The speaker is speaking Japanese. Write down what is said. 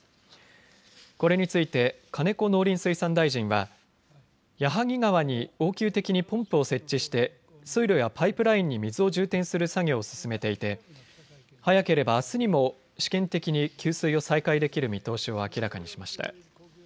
これについて金子農林水産大臣は矢作川に応急的にポンプを設置して水路やパイプラインに水を充填する作業を進めていて早ければあすにも試験的に給水を再開できる見通しを明らかにしました。